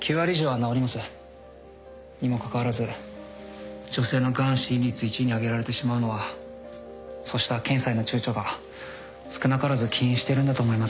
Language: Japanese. にもかかわらず女性のがん死因率１位にあげられてしまうのはそうした検査へのちゅうちょが少なからず起因してるんだと思います。